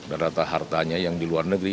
rata hartanya yang di luar negeri